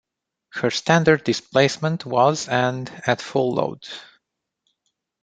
Her standard displacement was and at full load.